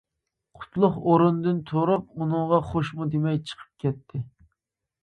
قۇتلۇق ئورنىدىن تۇرۇپ ئۇنىڭغا خوشمۇ دېمەي چىقىپ كەتتى.